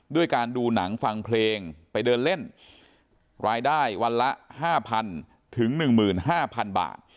ด้วยการดูหนังฟังเพลงไปเดินเล่นรายได้วันละ๕๐๐๐ถึง๑๕๐๐๐บาท